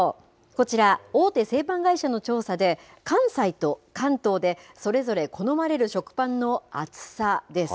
こちら、大手製パン会社の調査で、関西と関東でそれぞれ好まれる食パンの厚さです。